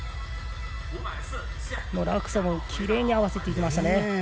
落差もきれいに合わせていきました。